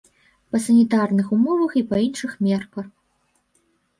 Па санітарных умовах і па іншых мерках.